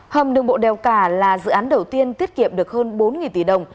hầm đường bộ đèo cả là dự án đầu tiên tiết kiệm được hơn bốn tỷ đồng